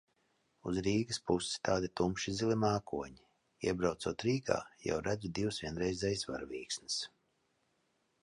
Uz Rīgas pusi tādi tumši zili mākoņi. Iebraucot Rīgā, jau redzu divas vienreizējas varavīksnes.